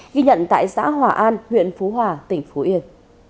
ghi nhận tại xã hòa an huyện phú hòa tỉnh phú yên